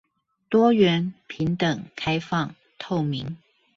多元、平等、開放、透明